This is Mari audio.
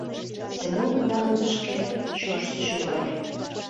— Семон мландышке чошт шӱвале.